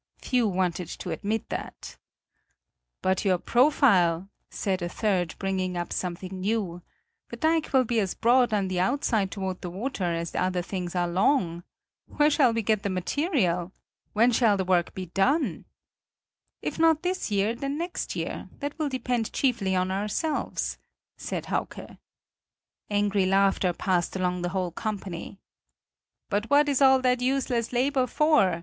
Few wanted to admit that. "But your profile," said a third, bringing up something new; "the dike will be as broad on the outside toward the water as other things are long. Where shall we get the material? When shall the work be done?" "If not this year, then next year; that will depend chiefly on ourselves," said Hauke. Angry laughter passed along the whole company. "But what is all that useless labor for?